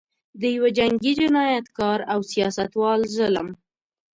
د یوه جنګي جنایتکار او سیاستوال ظلم.